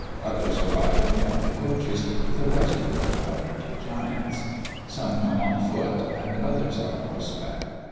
Others arrive in heavy coaches, with a retinue of powdered giants; some come on foot, and others on horseback.